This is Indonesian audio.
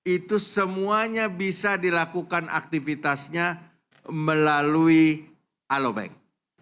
itu semuanya bisa dilakukan aktivitasnya melalui alo bank